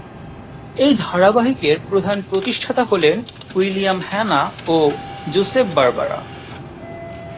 এই ধারাবাহিকের প্রধান প্রতিষ্ঠাতা হলেন উইলিয়াম হ্যানা ও জোসেফ বারবারা।